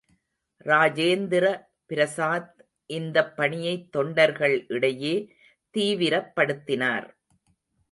ராஜேந்திர பிரசாத் இந்தப் பணியை தொண்டர்கள் இடையே தீவிரப்படுத்தினார்.